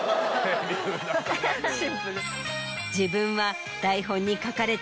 自分は。